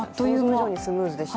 スムーズでした。